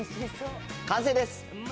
完成です。